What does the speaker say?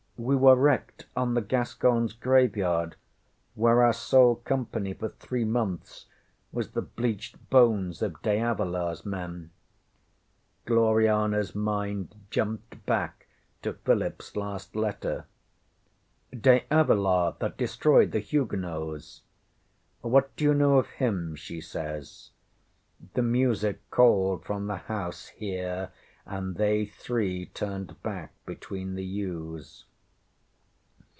We were wrecked on the GasconsŌĆÖ Graveyard, where our sole company for three months was the bleached bones of De AvilaŌĆÖs men. ŌĆØ ŌĆśGlorianaŌĆÖs mind jumped back to PhilipŌĆÖs last letter. ŌĆśŌĆ£De Avila that destroyed the Huguenots? What dŌĆÖyou know of him? ŌĆØ she says. The music called from the house here, and they three turned back between the yews.